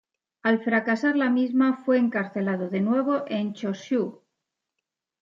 Al fracasar la misma, fue encarcelado de nuevo en Chōshū.